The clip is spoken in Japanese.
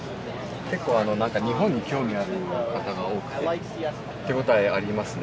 結構、なんか日本に興味ある方が多くて、手応えありますね。